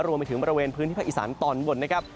รวมไปถึงบริเวณพื้นที่ภาคอีสานตอนบนนะครับ